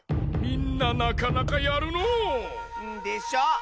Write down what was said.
みんななかなかやるのう。でしょ？